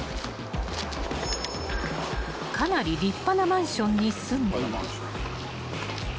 ［かなり立派なマンションに住んでいる］